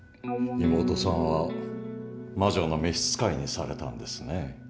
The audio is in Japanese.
妹さんは魔女の召し使いにされたんですね。